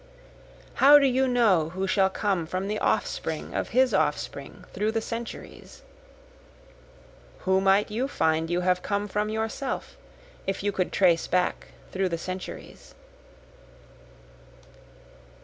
How do you know who shall come from the offspring of his offspring through the centuries? (Who might you find you have come from yourself, if you could trace back through the centuries?)